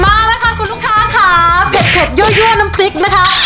มาแล้วค่ะคุณลูกค้าค่ะเผ็ดยั่วน้ำพริกนะคะ